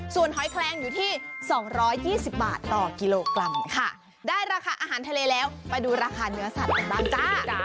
ส่วนหอยแคลงอยู่ที่๒๒๐บาทต่อกิโลกรัมค่ะได้ราคาอาหารทะเลแล้วไปดูราคาเนื้อสัตว์กันบ้างจ้า